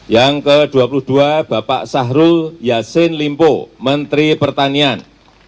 yang ke dua puluh dua bapak sahrul yassin limpo menteri pertanian